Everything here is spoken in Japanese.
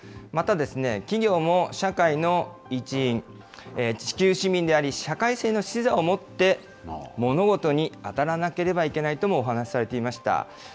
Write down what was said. また、企業も社会の一員、地球市民であり、社会性の視座をもって、物事に当たらなければいけないともお話しされていました。